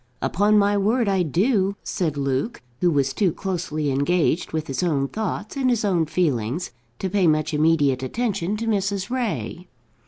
"Upon my word I do," said Luke, who was too closely engaged with his own thoughts and his own feelings to pay much immediate attention to Mrs. Ray.